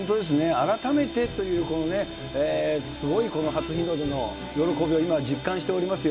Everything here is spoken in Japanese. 改めてという、すごいこの初日の出の喜びを今、実感しておりますよ。